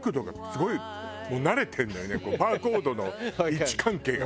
バーコードの位置関係が。